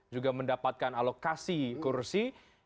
juga mendapatkan alokasi kursi